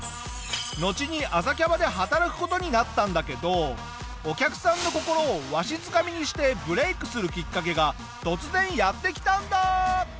のちに朝キャバで働く事になったんだけどお客さんの心をわしづかみにしてブレイクするきっかけが突然やってきたんだ！